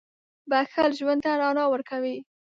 • بښل ژوند ته رڼا ورکوي.